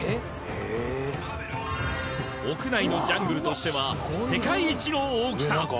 屋内のジャングルとしては世界一の大きさ！